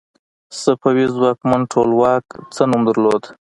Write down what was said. صفوي ځواکمن ټولواک څه نوم درلود؟